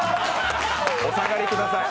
お下がりください。